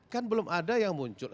kan belum ada yang muncul